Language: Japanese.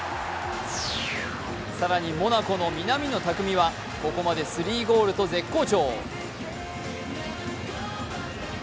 更にモナコの南野拓実はここまで３ゴールと絶好調。